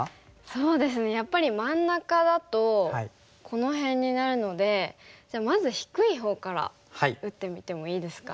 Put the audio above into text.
そうですねやっぱり真ん中だとこの辺になるのでじゃあまず低いほうから打ってみてもいいですか？